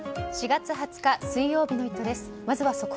４月２０日、水曜日の「イット！」です。